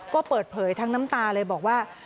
ก็เปิดเผยทั้งน้ำตาเลยบอกว่า